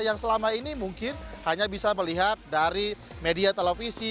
yang selama ini mungkin hanya bisa melihat dari media televisi